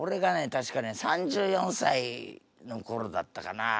確かね３４歳のころだったかな。